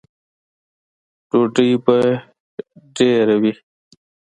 _ډوډۍ به ډېره وي؟